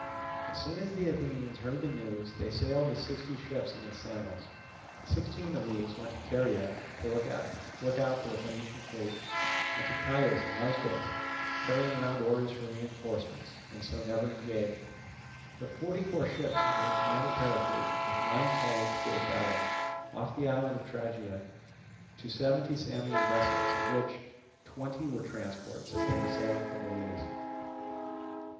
As soon as the Athenians heard the news, they sailed with sixty ships against Samos. Sixteen of these went to Caria to look out for the Phoenician fleet, and to Chios and Lesbos carrying round orders for reinforcements, and so never engaged; but forty four ships under the command of Pericles with nine colleagues gave battle, off the island of Tragia, to seventy Samian vessels, of which twenty were transports, as they were sailing from Miletus.